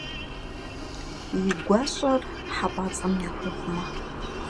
Yi guaş'e hep'ats'em yaxuêxhume.